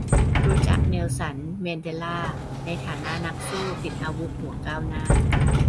รู้จัก เนลสัน แมนเดลา ในฐานะนักสู้ติดอาวุธหัวก้าวหน้า